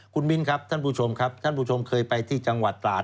คุณมิ้นครับท่านผู้ชมครับท่านผู้ชมเคยไปที่จังหวัดตราด